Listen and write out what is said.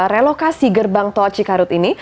relokasi gerbang tol cikarut ini